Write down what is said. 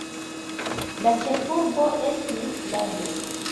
La ĉefurbo estis Lado.